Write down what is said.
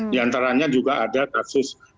di antaranya juga ada kasus